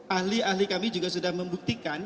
ahli ahli kami juga sudah membuktikan